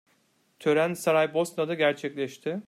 Tören Saraybosna'da gerçekleşti.